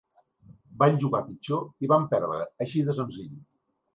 Van jugar pitjor i van perdre, així de senzill.